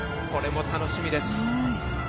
これも楽しみです。